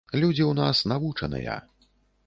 Людзі ў нас навучаныя.